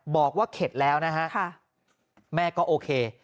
บอกว่าเข็ดแล้วนะฮะแม่ก็โอเค